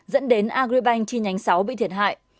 dẫn đến agribank chi nhánh sáu bị thiệt hại